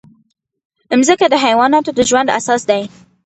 مځکه د حیواناتو د ژوند اساس ده.